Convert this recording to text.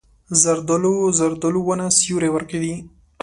زردالو ونه سیوری ورکوي.